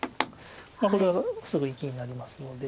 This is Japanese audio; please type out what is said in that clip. まあこれはすぐ生きになりますので。